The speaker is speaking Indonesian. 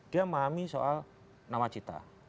dia memahami soal nawacita